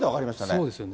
そうですよね。